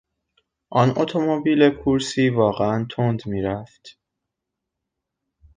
آن اتومبیل کورسی واقعا تند میرفت.